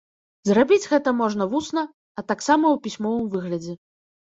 Зрабіць гэта можна вусна, а таксама ў пісьмовым выглядзе.